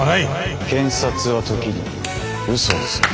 検察は時にうそをつく。